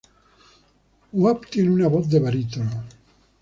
Wap tiene una voz de barítono.